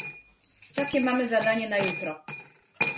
Takie mamy zadanie na jutro